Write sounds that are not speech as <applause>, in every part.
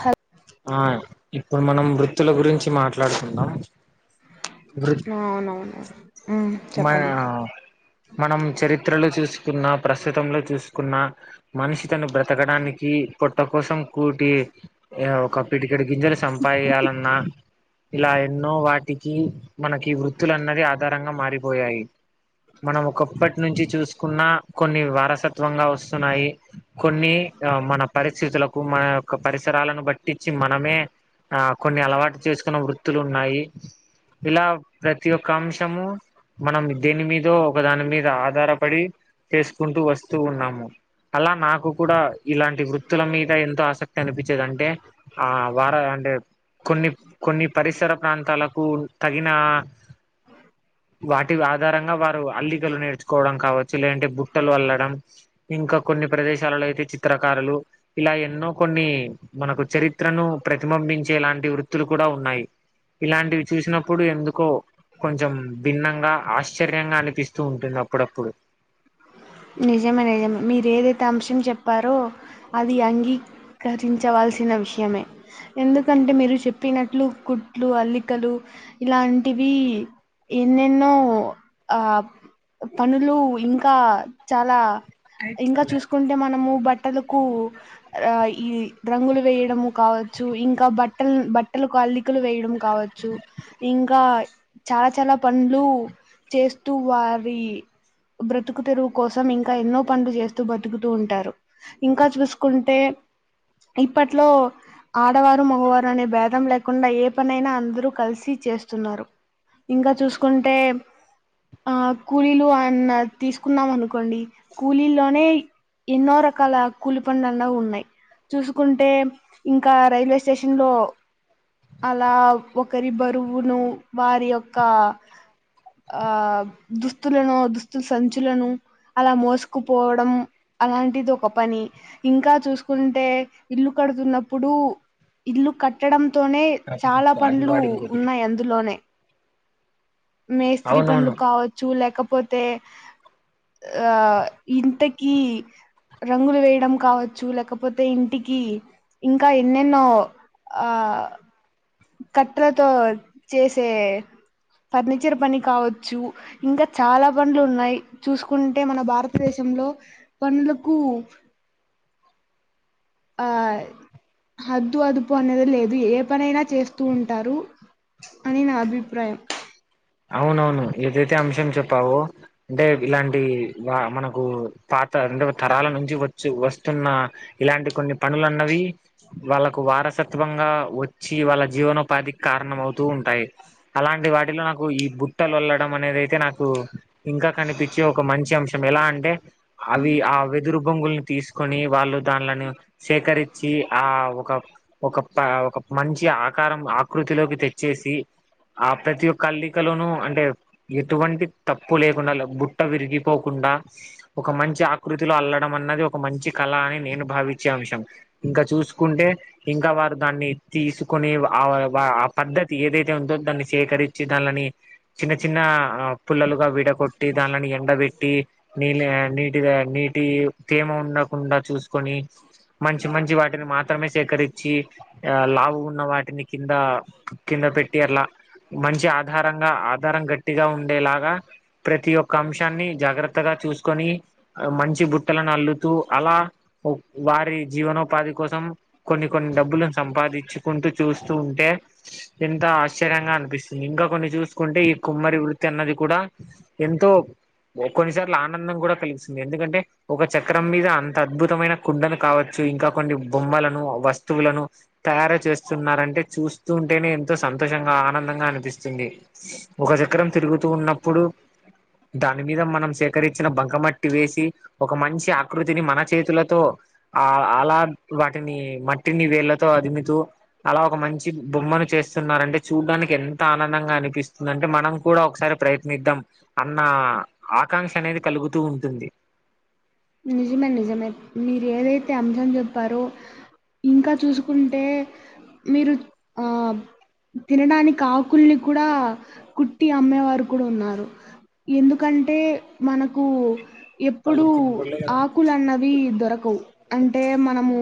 హ ఆయ్ ఇప్పుడు మనం వృత్తుల గురించి మాట్లాడుకుందాం. వృ ఆ అవునవును. ఉమ్ మ చెప్పండి మనం చరిత్రలో చూసుకున్న, ప్రస్తుతంలో చూసుకున్న మనిషి తను బ్రతకడానికి పొట్ట కోసం కూటి ఇగ ఒక పిడికెడు గింజలు సంపాయియాలన్నా ఇలా ఎన్నో వా టికి మనకి వృత్తులు అన్నది ఆధారంగా మారిపోయాయి. మనం ఒకప్పటి నుంచి చూసుకున్నా కొన్ని వారసత్వంగా వస్తున్నాయి. కొన్ని ఆ మన పరిస్థితులకు మన యొక్క పరిసరాలను బట్టిచ్చి మనమే ఆ కొన్ని అలవాటు చేసుకున్న వృత్తులు ఉన్నాయి. ఇలా ప్రతి ఒక్క అంశము మనం దేని మీదో ఒకదాని మీద ఆధారపడి చేసుకుంటూ వస్తూ ఉన్నాము. అలా నాకు కూడా ఇలాంటి వృత్తుల మీద ఎంతో ఆసక్తి అనిపిచ్చేదంటే ఆ వార అంటే కొన్ని కొన్ని పరిసర ప్రాంతాలకు తగిన వాటి ఆధారంగా వారు అల్లికలు నేర్చుకోవడం కావచ్చు లేదంటే బుట్టలు అల్లడం ఇంకా కొన్ని ప్రదేశాలలో అయితే చిత్రకారులు ఇలా ఎన్నో కొన్ని మనకు చరిత్రను ప్రతిబింబించే లాంటి వృత్తులు కూడా ఉన్నాయి. ఇలాంటివి చూసినప్పుడు ఎందుకో కొంచెం భిన్నంగా ఆశ్చర్యంగా అనిపిస్తూ ఉంటుంది అప్పుడప్పుడు. నిజమే నిజమే మీరు ఏదైతే అంశం చెప్పారో అది అంగీ కరించవలసిన విషయమే. ఎందుకంటే మీరు చెప్పినట్లు కుట్లు, అల్లికలు ఇలాంటివి ఎన్నెన్నో ఆ పనులు ఇంకా చాలా ఇంకా చూసుకుంటే మనము బట్టలకు ఆ ఈ రంగులు వేయడము కావచ్చు ఇంకా బట్టలు బట్టలుకు అల్లికలు వేయడం కావచ్చు ఇంకా చాలా చాలా పనులు చేస్తూ వారి బ్రతుకు తెరువు కోసం ఇంకా ఎన్నో పనులు చేస్తూ బతుకుతూ ఉంటారు ఇంకా చూసుకుంటే ఇప్పట్లో ఆడవారు మగవారు అనే భేదం లేకుండా ఏ పనైనా అందరూ కలిసి చేస్తున్నారు. ఇంకా చూసుకుంటే ఆ కూలీలు అన్న తీసుకున్నాం అను కోండి కూలీల్లోనే ఎన్నో రకాల కూలి పనులన్నవి ఉన్నయి. చూసుకుంటే ఇంకా రైల్వే స్టేషన్లో అలా ఒకరి బరువును వారి యొక్క ఆ దుస్తులను దుస్తుల సంచులను అలా మోసుకుపోవడం అలాంటిది ఒక పని. ఇంకా చూసుకుంటే ఇల్లు కడుతున్నప్పుడు ఇల్లు కట్టడంతోనే కాపు చాలా తీసుకో అది పన్లు వాడు ఇంకొకటి ఉన్నాయి అందులోనే. మేస్త్రి పనులు అవునవును కావచ్చు లేకపోతే ఆ ఇంతకి రంగులు వేయడం కావచ్చు లేకపోతే ఇంటికి ఇంకా ఎన్నెన్నో. ఆ కట్రతో చేసే ఫర్నిచర్ పని కావచ్చు. ఇంకా చాలా పనులు ఉన్నాయి చూసుకుంటే మన భారతదేశంలో పనులకు ఆ హద్దు అదుపు అనేది లేదు ఏ పనైనా చేస్తూ ఉంటారు. అని నా అభిప్రాయం అవునవును ఏదైతే అంశం చెప్పావో అంటే ఇలాంటి మనకు పాత ఎన్నో తరాల నుంచి వచ్చు వస్తున్న ఇలాంటి కొన్ని పనులన్నవి వాళ్ళకు వారసత్వంగా వచ్చి వాళ్ళ జీవనోపాధికి కారణం అవుతూ ఉంటాయి. అలాంటి వాటిలో నాకు ఈ బుట్టలు అల్లడం అనేది ఐతే నాకు ఇంకా కనిపించే ఒక మంచి అంశం ఎలా అంటే. అవి ఆ వెదురు బొంగుల్ని తీసు కొని వాళ్ళు దానిలను సేకరించి ఆ ఒక ఒక ఒక మంచి ఆకారం ఆకృతిలోకి తెచ్చేసి ఆ ప్రతి ఒక్క అల్లికలోను అంటే ఎటువంటి తప్పు లేకుండా బుట్ట విరిగిపోకుండా ఒక మంచి ఆకృతిలో అల్లడం అన్నది ఒక మంచి కళ అని నేను భావించే అంశం. ఇంకా చూసుకుంటే. ఇంకా వారు దాన్ని తీసుకునే ఆ పద్ధతి ఏదైతే ఉందో దాన్ని సేకరి చి దానిలని చిన్న చిన్న పుల్లలుగా విడ గొట్టి దానిలను ఎండబెట్టి నీళ్ళ నీ నీటిగా నీటి తేమ ఉండకుండా చూసుకొని మంచి మంచి వాటిని మాత్రమే మాత్రమే సేకరిచ్చి ఆ లావు ఉన్న వాటిని కింద కింద పెట్టి అట్లా మంచి ఆధారంగా ఆధారం గట్టిగా ఉండేలాగా. ప్రతి ఒక్క అంశాన్ని జాగ్రత్తగా చూసుకొని. మంచి బుట్టలను అల్లుతూ అలా వారి జీవనోపాధి కోసం. కొన్ని కొన్ని డబ్బులను సంపాదించుకుంటూ చూస్తూ ఉంటే, ఎంతో ఆశ్చర్యంగా అనిపిస్తుంది. ఇంకా కొన్ని చూసుకుంటే ఈ కుమ్మరి వృత్తి అన్నది కూడా ఎంతో. ఓకొన్నిసార్లు ఆనందం కూడా కలిగిస్తుంది ఎందుకంటే. ఒక చక్రం మీద అంత అద్భుతమైన కుండను కావచ్చు ఇంకా కొన్ని బొమ్మలను వస్తువులను. తయారు చేస్తున్నారంటే చూస్తూ ఉంటేనే ఎంతో సంతోషంగా ఆనందంగా అనిపిస్తుంది. ఒక చక్రం తిరుగుతూ ఉన్నప్పుడు. దాని మీద మనం సేకరించిన బంకమట్టి వేసి. ఒక మంచి ఆకృతిని మన చేతులతో ఆ అలా వాటిని. ని మట్టిని వేళ్ళతో అదిమితూ. అలా ఒక మంచి బొమ్మను చేస్తున్న రంటే చూడ్డానికి ఎం త ఆనందంగా అనిపిస్తుంది అంటే మనం కూడా ఒకసారి ప్రయత్నిద్దాం. అన్న ఆకాంక్ష అనేది కలుగుతూ ఉంటుంది. నిజమే నిజమే మీరు ఏదైతే అంశం చెప్పారో. ఇంకా చూసుకుంటే మీరు ఆ. తినడానికి ఆకుల్ని కూడా కుట్టి అమ్మే వారు కూడా ఉన్నారు. ఎందుకంటే మనకు ఎప్పుడూ. ఉక్కులున్నవి దొరకవు అంటే మనము.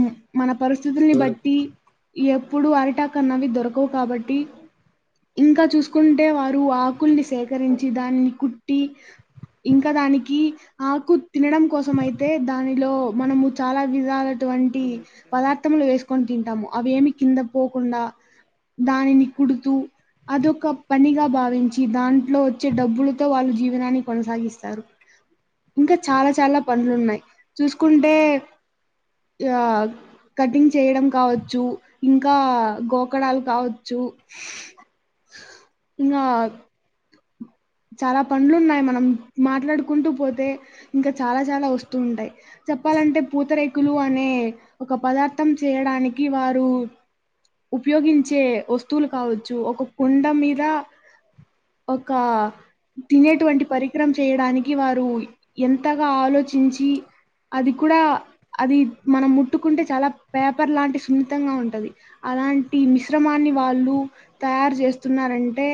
మ్ మన పరిస్థితుల్ని బట్టి ఎప్పుడు అరిటి ఆకు అన్నవి దొరకవు కాబట్టి. ఇంకా చూసుకుంటే వారు ఆ. ఉక్కుల్ని సేకరించి దాన్ని కుట్టి ఇంక దానికి ఆకు తినడం కోసం అయితే దానిలో మనము చాలా విధాల అటువంటి పదార్థములు వేసు కొని తింటాము అవి యేమి కింద పోకుండా దానిని కుడుతూ అదొక పనిగా భావించి దాంట్లో ఒచ్చే డబ్బులుతో వాళ్ళు జీవనాన్ని కొనసాగిస్తారు ఇంక చాలా చాలా పనులున్నాయి చూస్కుంటే ఆ కటింగ్ చేయడం కావచ్చు ఇంకా గోకడాలు కావచ్చు నా చాలా పన్లున్నాయి మనం మాట్లాడుకుంటూ పోతే ఇంక చాలా చాలా వస్తూ ఉంటాయి చెప్పాలంటే పూతరేకులు అనే ఒక పదార్థం చేయడానికి వారు ఉపయోగించే వస్తువులు కావచ్చు ఒక కుండ మీద ఒక తినేటువంటి పరికరం చేయడానికి వారు ఎంతగా ఆలోచించి అది కూడా అది మనం ముట్టుకుంటే చాలా పేపర్ లాంటి సున్నితంగా ఉంటది అలాంటి మిశ్రమాన్ని వాళ్ళు తయారు చేస్తున్నారంటే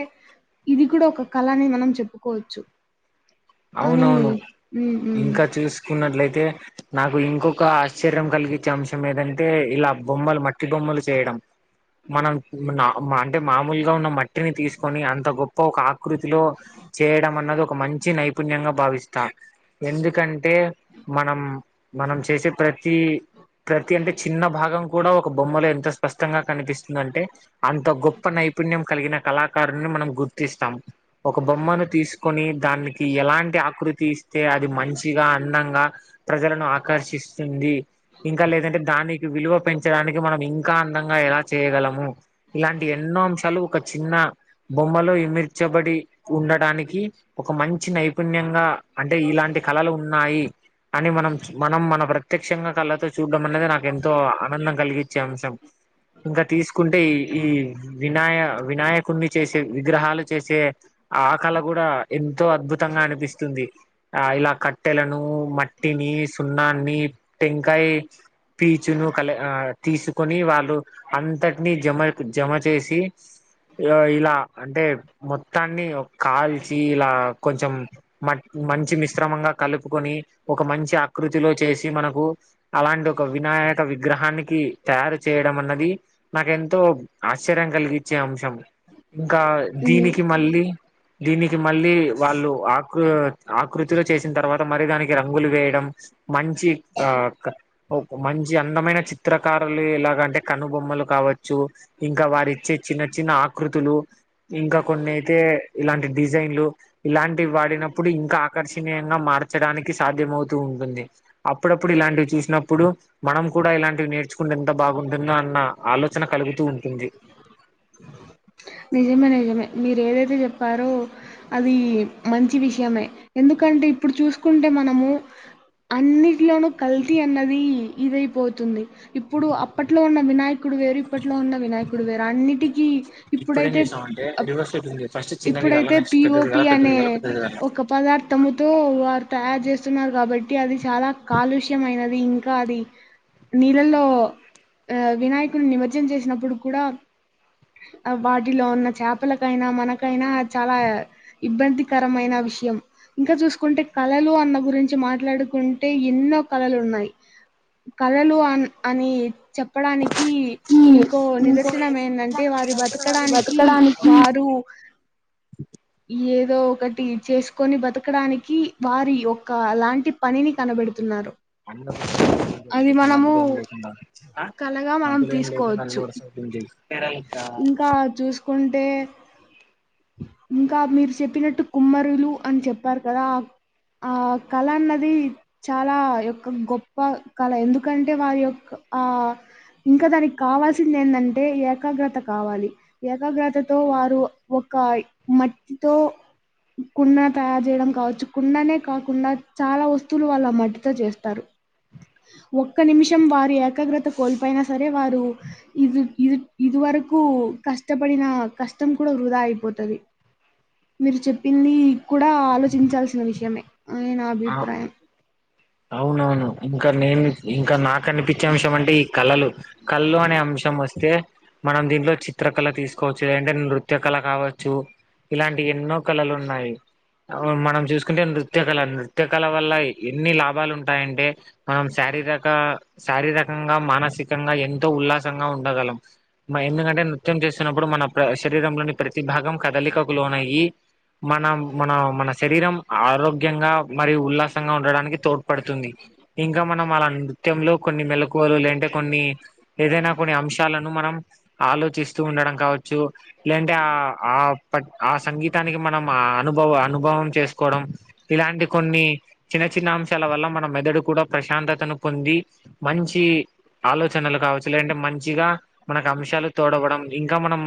ఇది కూడ ఒక కళ అనే మనం చెప్పుకోవచ్చు అని ఉంహుం కున్నట్లయితే నాకు ఇంకొక ఆశ్చర్యం కలిగించే అంశం ఏదంటే ఇలా బొమ్మలు మట్టి బొమ్మలు చేయడం మనం అంటే మామూలుగా ఉన్న మట్టి మట్టిని తీస్కొని అంత గొప్ప ఒక ఆకృతిలో చేయడం అన్నది ఒక మంచి నై పుణ్యంగ భావిస్తా ఎందుకంటే మనం మనం చేసే ప్రతీ ప్రతి అంటే చిన్న భాగం కూడా ఒక బొమ్మలో ఎంత స్పష్టంగా కనిపిస్తుందంటే అంత గొప్ప నైపుణ్యం కలిగిన కళాకారున్ని మనం గుర్తిస్తాం ఒక బొమ్మను తీస్కొని దాన్ని ఎలాంటి ఆకృతి ఇస్తే అది మంచిగా అందంగా ప్రజలను ఆకర్షిస్తుంది ఇంక లేదంటే దానికి విలువ పెంచడానికి మనం ఇంకా అందంగా ఎలా చేయగలము ఇలాంటి ఎన్నో అంశాలు ఒక చిన్న బొమ్మలో ఎమిర్చబడి ఉండడానికి ఒక మం చి నైపుణ్యంగా అంటే ఇలాంటి కళలు ఉన్నాయి అని మనం మనం మన ప్రత్యక్షంగా కళ్ళతో చూడ్డం అన్నది నాకు ఎంతో ఆనందం కలిగించే అంశం ఇంక తీస్కుంటే ఈ ఈ వినాయ వినాయకుణ్ణి చేసే విగ్రహాలు చేసే ఆ కళ కూడా ఎంతో అద్భు తంగా అనిపిస్తుంది ఆ ఇలా కట్టెలను మట్టిని సున్నాన్ని టెంకాయి పీచును కల ఆ తీసుకొని వాళ్ళు అంతట్ని జమ జమ చేసి ఇగ ఇలా అంటే మొత్తాన్ని కాల్చి ఇలా కొంచెం మ మంచి మిశ్రమంగా కలుపుకొని ఒక మంచి ఆకృతిలో చేసి మనకు అలాంటి ఒక వినాయక విగ్రహానికి తయారు చేయడం అన్నది నాకెంతో ఆశ్చర్యం కలిగించే అంశం ఇంకా హ్మ్. దీనికి మళ్ళీ దీనికి మళ్ళీ వాళ్ళు ఆకృ ఆకృతిలో చేసిన తర్వాత మరిదానికి రంగులు వేయడం మంచి ఆ ఒక మంచి అందమైన చి త్రకారులే ఇలాగంటే కనుబొమ్మలు కావచ్చు ఇంకా వారి ఇచ్చే చిన్న చిన్న ఆకృతులు ఇంకా కొన్నిఅయితే ఇలాంటి డిజైన్లు ఇలాంటివి వాడినప్పుడు ఇంకా ఆకర్షణీయంగా మార్చడానికి సాధ్యమవుతూ ఉంటుంది అప్పుడప్పుడు ఇలాంటివి చూసినప్పుడు మనం కూడా ఇలాంటివి నేర్చుకుంటే ఎంత బాగుంటుందో అన్న ఆలోచన కలుగుతూ ఉంటుంది నిజమే నిజమే మీరు ఏదైతే చెప్పారో అది మంచి విషయమే ఎందుకంటే ఇప్పుడు చూసుకుంటే మనము అన్నిటిలోనూ కల్తీ అన్నది ఇదైపోతుంది ఇప్పుడు అప్పట్లో ఉన్న వినాయకుడు వేరు ఇప్పట్లో ఉన్న వినాయకుడు వేరు అన్నిటికీ ఇప్పుడేం ఇప్పుడైతే చేసామంటే అప్ రివర్స్ అవుతుంది ఫస్ట్ చిన్నది కాల ఇప్పుడైతే నెక్స్ట్ పెద్దది పిఓపి కాల పెద్దది అనే కాల పెద్దది కాల ఒక పదార్థము తో వారు తయారు చేస్తున్నారు కాబట్టి అది చాలా కాలుష్యమైనది ఇంకా అది నీలల్లో ఆ వినాయకుడిని నిమజ్జనం చేసినప్పుడు కూడా వాటిలో ఉన్న చేపలకైనా మనకైనా చాలా ఇబ్బందికరమైన విషయం ఇంకా చూసుకుంటే కళలు అన్న గురించి మాట్లాడుకుంటే ఎన్నో కళలు ఉన్నాయి కళలు ఆన్ అని చెప్ చెప్పడానికి ఇంకో ఇంకో నిదర్శనం ఎందంటే వారి బతకడానికి బతకడానికి వ రూ <inaudible> ఏదో ఒకటి చేసుకొని బతకడానికి వారి యొక్క అలాంటి పనిని కనబెడుతున్నారు అన్న పెట్టి అది <unintelligible> ఇ మనము మధ్యలో ఏం లేకుండా కళగా మనం మధ్యలో ఏం లేకుండా అన్ని తీసుకోవచ్చు ఉడిసేయి <unintelligible> ఇంకా చూసుకుంటే ఇంకా మీరు చెప్పినట్టు కుమ్మరులు అని చెప్పారు కదా ఆ కళ అన్నది చాలా యొక్క గొప్ప కళ ఎందుకంటే వారి యొక్క ఆ ఇంకా దానికి కావాల్సింది ఎందంటే ఏకాగ్రత కావాలి ఏకాగ్రతతో వారు ఒక మట్టితో కున్నా తయారు చేయడం కావచ్చు కున్నానే కాకుండా చాలా వస్తువులు వాళ్ళ మట్టితో చేస్తారు <unintelligible> ఒక్క నిమిషం వారు ఏకాగ్రత కోల్పోయినా సరే వారు ఇది ఇది ఇది వరకు కష్టపడిన కష్టం కూడా వృధా అయిపోతది మీరు చెప్పింది కూడా ఆలోచించాల్సిన విషయమే అని నా అ అభిప్రాయం అవునవును ఇంకా నేను ఇంకా నాకు అనిపించే అంశం అంటే కళలు కళ్లు అనే అంశం వస్తే మనం దాంట్లోంచి చిత్రకళ తీసుకోవచ్చు లేఅంటే నృత్య కళ కావచ్చు ఇలాంటి ఎన్నో కళలు ఉన్నాయి అవు మనం చూసుకుంటే నృత్య కళ నృత్య కళ వల్ల ఎన్ని లాభాలు ఉంటాయంటే మనం శారీరక శారీరకంగా మానసికంగా ఎంతో ఉల్లాసంగా ఉండగలం మా ఎందుకంటే నృత్యం చేస్తున్నప్పుడు మన శరీరంలోని ప్రతిభాగం కదలికకు లోనయి మనం మన మన శరీరం ఆరోగ్యంగా మరియూ ఉల్లాసంగా ఉండడానికి తోడ్పడుతుంది ఇంకా మనం వాళ నృత్యంలో కొన్ని మెలకువలు లేఅంటే కొన్ని ఏదైనా కొన్ని అంశాలను మనం ఆలోచిస్తూ ఉండడం కావచ్చు లేఅంటే ఆ ఆ ప ఆ సంగీతానికి మనం ఆ అనుభవ అనుభవం చేసుకోవడం ఇలాంటి కొన్ని చిన్న చిన్న అంశాల వల్ల మన మెదడు కూడా ప్రశాంతతను పొంది మంచి ఆలోచనలు కావచ్చు లేదంటే మంచిగ మనకు అంశాలు తోడవడం ఇంకా మనం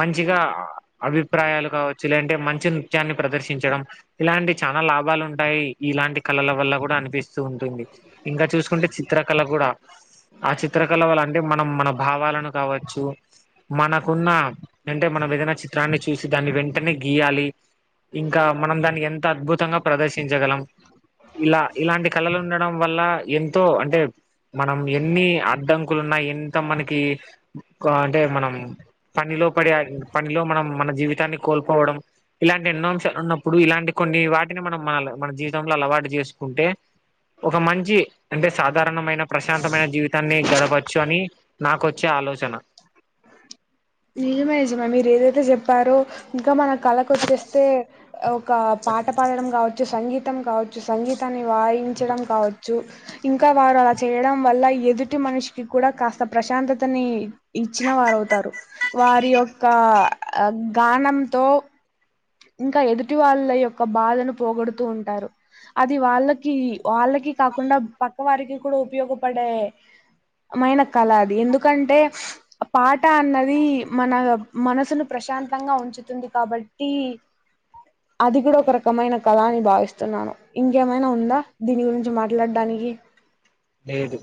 మంచిగా అభిప్రాయాలు కావచ్చు లేదంటే మంచి నృత్యన్ని ప్రదర్శించడం ఇలాంటి చాలా లాభాలు ఉంటాయి ఇలాంటి కళల వల్ల కుడా అనిపిస్ ఇంకా చూసుకుంటే చిత్రకళ కుడా ఆ చిత్రకళ వల అంటే మనం మన భావాలను కావచ్చు మనకున్న అంటే మనం ఏదన్న చిత్రాన్ని చూసి దాన్ని వెంటనే గీయాలి. ఇంకా మనం దాన్ని ఎంత అద్భుత ప్రదర్శించగలం ఇలా ఇలాంటి కళలు ఉండడం వల్ల ఎ అంటే మనం ఎన్ని అడ్డంకులు ఉన్న ఎంత మనకి అంటే మనం పనిలో పడి పనిలో మనం మన జీవితాన్ని కోల్పోవడం ఇలాంటి ఎన్నో అంశాలు ఉన్నప్పుడు ఇలాంటి కొన్ని వాట్ మనం మన మన జీవితంలో అలవాటు చేసుకుంటే ఒక మంచి అంటే సాధారణమైన ప్రశాంతమైన జీవితాన్ని గడపచ్చు అని నాకొచ్చే ఆలోచన నిజమే <unintelligible> మీరు ఏదైతే చెప్పారో ఇంకా మన కలకొచ్చేస్తే ఒక పాట పాడడం కావ సంగీతం కావచ్చు సంగీతాన్ని వాయించడం కావ చ్చు ఇంకా వారు అలా చేయడం వల్ల ఎదుటి మనిషికి కుడా కాస్త ప్రశాంతతని ఇచ్చిన వారవుతారు వారి యొక్క గానంతో ఇంకా ఎదుటి వాళ్ళ యొక్క బాధను పోగొడుతూ ఉంటారు. అది వాళ్ళకి వాళ్ళకి కాకుండా పక్క వారికి కుడా ఉపయోగపడే మైన కళ అది ఎందుకంటే పాట అన్నది మన మనసును ప్రశాంతంగా ఉంచుతుంది కాబట్టి అది కూడా ఒక రకమైన కళ అని భావిస్తున్నాను. ఇంకేమైనా ఉందా దీని గురించి మాట్లాడానికి లేదు